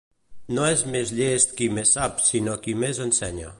No és més llest qui més sap, sinó qui més ensenya.